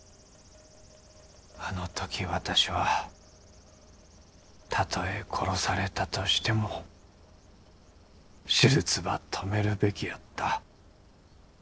あの時私はたとえ殺されたとしても手術ば止めるべきやった。